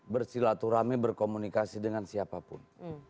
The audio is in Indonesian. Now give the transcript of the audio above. bersilaturahmi berkomunikasi dengan siapapun